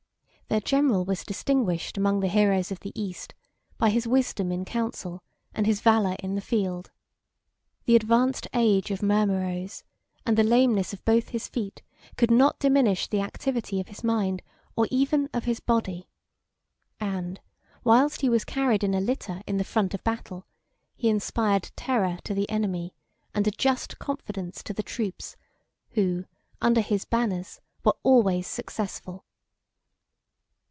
Their general was distinguished among the heroes of the East by his wisdom in council, and his valor in the field. The advanced age of Mermeroes, and the lameness of both his feet, could not diminish the activity of his mind, or even of his body; and, whilst he was carried in a litter in the front of battle, he inspired terror to the enemy, and a just confidence to the troops, who, under his banners, were always successful.